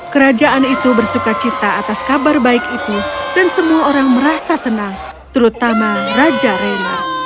kerajaan itu bersuka cita atas kabar baik itu dan semua orang merasa senang terutama raja rela